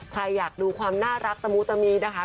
ใครอยากดูความน่ารักตะมูตะมินะคะ